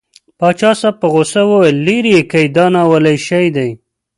پاچا صاحب په غوسه وویل لېرې که دا ناولی شی دی.